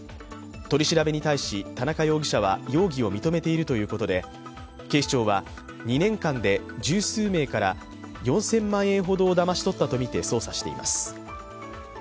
取り調べに対し、田中容疑者は容疑を認めているということで、警視庁は２年間で十数名から４０００万円ほどだまし取ったとみて捜査しています。